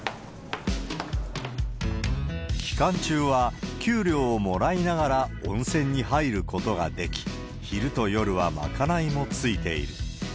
期間中は給料をもらいながら温泉に入ることができ、昼と夜は賄いもついている。